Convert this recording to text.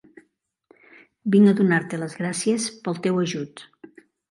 Vinc a donar-te les gràcies pel teu ajut.